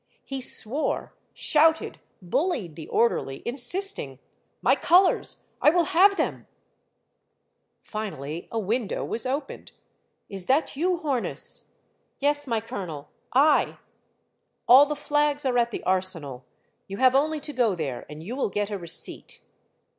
He swore, shouted, bullied the orderly, insisting, " My colors ! I will have them !" Finally a window was opened. " Is that you, Hornus? "" Yes, my colonel, I." " All the flags are at the Arsenal. You have only to go there, and you will get a receipt."